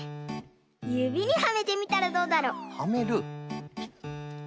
ゆびにはめてみたらどうだろ？はめる？